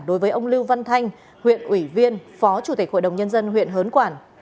đối với ông lưu văn thanh huyện ủy viên phó chủ tịch hội đồng nhân dân huyện hớn quản